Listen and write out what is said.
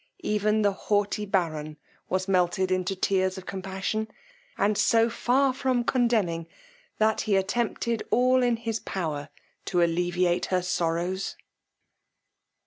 Even the haughty baron was melted into tears of compassion, and so far from condemning, that, he attempted all in his power to alleviate her sorrows.